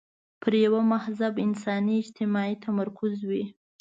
پر یوه مهذب انساني اجتماع یې تمرکز وي.